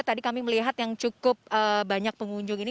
tadi kami melihat yang cukup banyak pengunjung ini